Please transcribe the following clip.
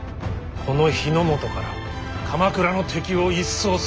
この日本から鎌倉の敵を一掃する。